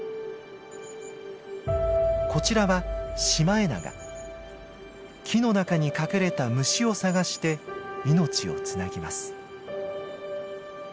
こちらは木の中に隠れた虫を探して命をつなぎます。